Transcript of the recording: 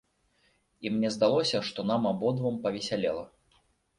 І мне здалося, што нам абодвум павесялела.